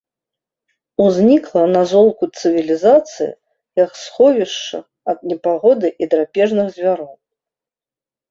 Узнікла на золку цывілізацыі як сховішча ад непагоды і драпежных звяроў.